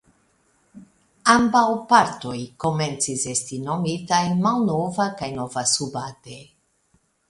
Ambaŭ partoj komencis esti nomitaj Malnova kaj Nova Subate.